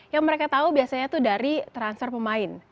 yang mereka tahu biasanya itu dari transfer pemain